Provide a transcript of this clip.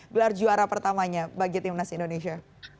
gelar juara pertamanya bagi timnas indonesia